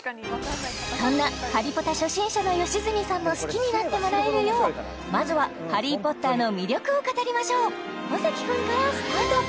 そんな「ハリポタ」初心者の吉住さんも好きになってもらえるようまずは「ハリー・ポッター」の魅力を語りましょう小関君からスタート